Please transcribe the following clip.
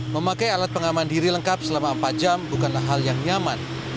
memakai alat pengaman diri lengkap selama empat jam bukanlah hal yang nyaman